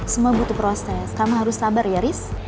semua butuh proses kamu harus sabar ya riz